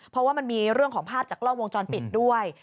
เพราะว่ามันมีเรื่องของภาพจากกล้องวงจรปิดด้วย